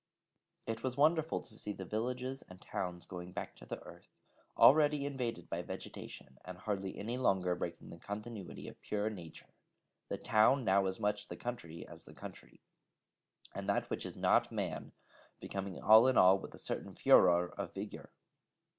It was wonderful to see the villages and towns going back to the earth, already invaded by vegetation, and hardly any longer breaking the continuity of pure Nature, the town now as much the country as the country, and that which is not Man becoming all in all with a certain furore of vigour.